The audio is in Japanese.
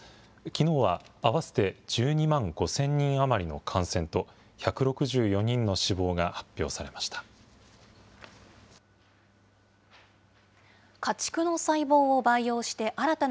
きのうは合わせて１２万５０００人余りの感染と１６４人の死亡が発表されました。